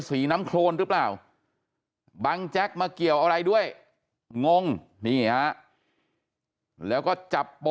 สีน้ำโครนหรือเปล่าบังแจ๊กมาเกี่ยวอะไรด้วยงงนี่ฮะแล้วก็จับโป